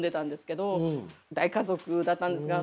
大家族だったんですが。